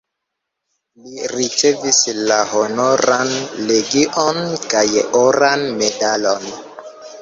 Li ricevis la Honoran legion kaj oran medalon.